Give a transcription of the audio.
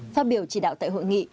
phát biểu chỉ đạo tại hội nghị